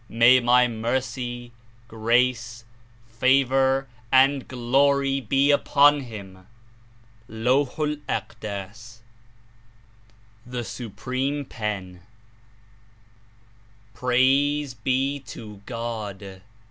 May My Mercy, Grace, Favor and Glory be unto him !" (Lazih EI Akdas.) 80 THE 8UPREME PEX "Praise be to God!